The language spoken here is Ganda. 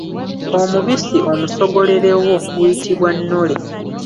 Omubisi omusogolerewo guyitibwa Nnole.